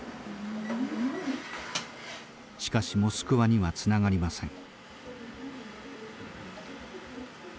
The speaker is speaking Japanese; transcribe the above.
しかしモスクワにはつながりません。